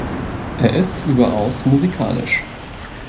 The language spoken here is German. Er ist überaus musikalisch.